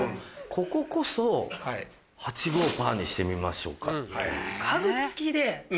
こここそ８５８にしてみましょうか。